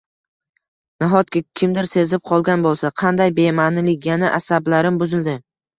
Nahotki kimdir sezib qolgan boʻlsa? Qanday bemaʼnilik. Yana asablarim buzildi”.